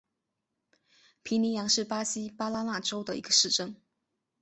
皮尼扬是巴西巴拉那州的一个市镇。